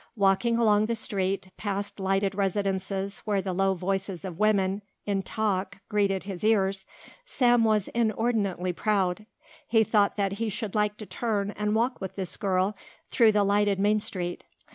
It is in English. Walking along the street, past lighted residences where the low voices of women in talk greeted his ears, Sam was inordinately proud. He thought that he should like to turn and walk with this girl through the lighted Main Street.